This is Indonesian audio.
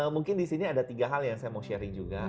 mungkin di sini ada tiga hal yang saya mau sharing juga